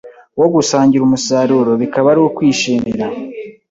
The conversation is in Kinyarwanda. wo gusangira umusaruro, bikaba ari ukwishimira